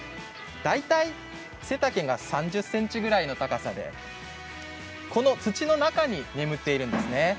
大体、背丈が３０ｃｍぐらいの高さでこの土の中に眠っているんですね。